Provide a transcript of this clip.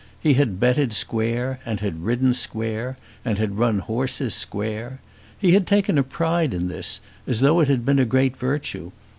He had betted "square," and had ridden "square," and had run horses "square." He had taken a pride in this, as though it had been a great virtue.